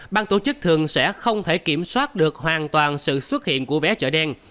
ban tổ chức thường sẽ không thể kiểm soát được hoàn toàn sự xuất hiện của vé chợ đen